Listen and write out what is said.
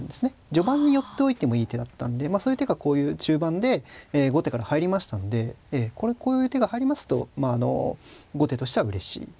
序盤に寄っておいてもいい手だったんでそういう手がこういう中盤で後手から入りましたんでこういう手が入りますとまああの後手としてはうれしい。